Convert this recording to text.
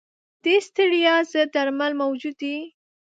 د ستړیا ضد درمل موجود دي.